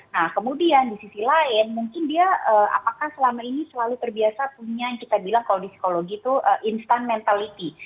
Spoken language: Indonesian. nah kemudian di sisi lain mungkin dia apakah selama ini selalu terbiasa punya yang kita bilang kalau di psikologi itu instant mentality